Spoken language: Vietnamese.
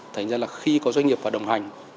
thành ra là khi có doanh nghiệp và đồng hành